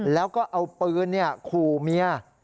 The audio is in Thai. แล้วก็เอาปืนขู่เมีย